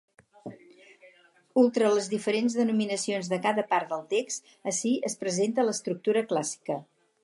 Ultra les diferents denominacions de cada part del text, ací es presenta l'estructura clàssica.